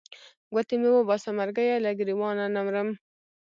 ګوتې مې وباسه مرګیه له ګرېوانه نه مرم.